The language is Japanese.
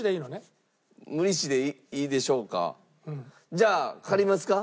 じゃあ借りますか？